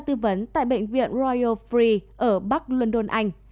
tư vấn tại bệnh viện royal free ở bắc london anh